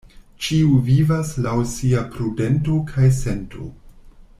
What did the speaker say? Ĉiu vivas laŭ sia prudento kaj sento.